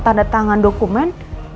tanda tangan dokumen